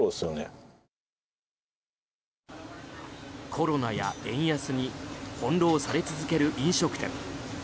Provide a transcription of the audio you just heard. コロナや円安に翻ろうされ続ける飲食店。